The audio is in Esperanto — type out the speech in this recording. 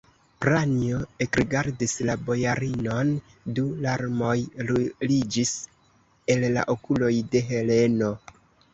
Pranjo ekrigardis la bojarinon: du larmoj ruliĝis el la okuloj de Heleno.